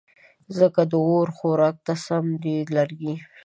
ځکه د اور خوراک ته سم دي لرګې